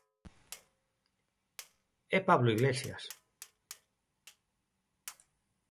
E Pablo Iglesias?